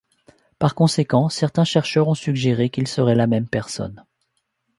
Par conséquent, certains chercheurs ont suggéré qu'ils seraient la même personne.